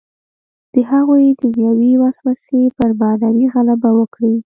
د هغوی دنیوي وسوسې پر معنوي غلبه وکړي.